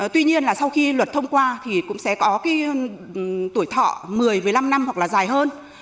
tuy nhiên là sau khi luật thông qua thì cũng sẽ có tuổi thọ một mươi với năm năm hoặc là dài hơn